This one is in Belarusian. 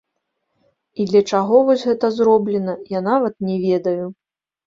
І для чаго вось гэта зроблена, я нават не ведаю.